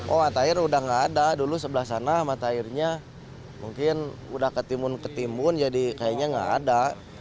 oh mata air sudah tidak ada dulu sebelah sana mata airnya mungkin sudah ketimbun ketimbun jadi kayaknya tidak ada